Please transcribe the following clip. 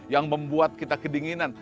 yang membuat kita kedinginan